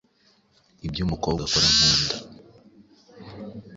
Ibyo umukobwa akora nkunda